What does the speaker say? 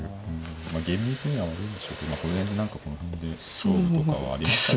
まあ厳密には悪いんでしょうけどこの辺で何かこの辺で勝負とかはありましたかね。